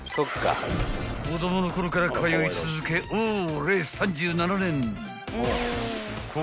［子供のころから通い続けオーレ３７年］